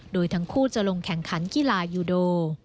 โดยทั้งคู่จะลงแข่งขันกีฬายูโด